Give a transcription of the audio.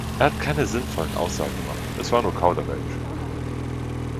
Er hat keine sinnvollen Aussagen gemacht. Es war nur Kauderwelsch.